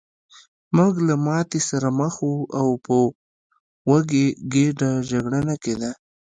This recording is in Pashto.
موږ له ماتې سره مخ وو او په وږې ګېډه جګړه نه کېده